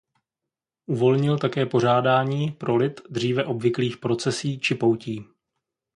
Uvolnil také pořádání pro lid dříve obvyklých procesí či poutí.